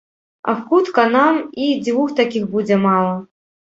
А хутка нам і дзвюх такіх будзе мала.